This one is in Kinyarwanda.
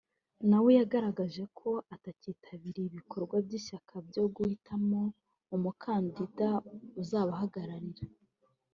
nawe yagaragaje ko atakitabiriye ibikorwa by’ishyaka byo guhitamo umukandida uzabahagararira